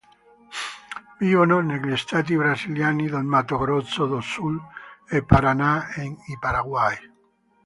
Vivono negli stati brasiliani del Mato Grosso do Sul e Paraná e in Paraguay.